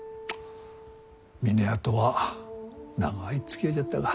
峰屋とは長いつきあいじゃったが。